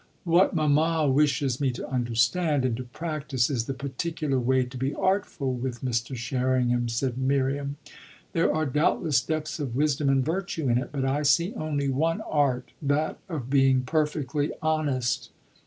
"What mamma wishes me to understand and to practise is the particular way to be artful with Mr. Sherringham," said Miriam. "There are doubtless depths of wisdom and virtue in it. But I see only one art that of being perfectly honest."